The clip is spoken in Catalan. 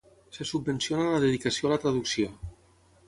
Se subvenciona la dedicació a la traducció.